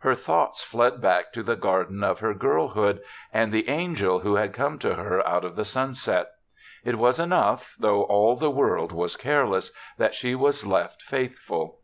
Her thoughts fled back to the garden of her girlhood and the angel who had THE SEVENTH CHRISTMAS 49 come to her out of the sunset. It was enough, though all the world was careless, that she was left faith ful.